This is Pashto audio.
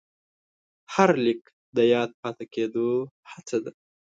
هر لیک د یاد پاتې کېدو هڅه ده.